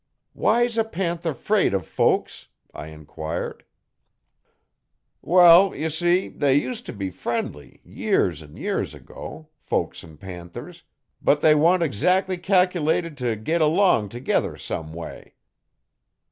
'Why's a panther 'fraid o' folks?' I enquired. 'Wall, ye see, they used t' be friendly, years 'n years ago folks 'n panthers but they want eggszac'ly cal'lated t' git along t'gether some way.